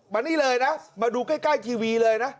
นี่เลยนะมาดูใกล้ทีวีเลยนะ